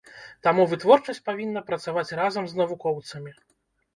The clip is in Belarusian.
Таму вытворчасць павінна працаваць разам з навукоўцамі.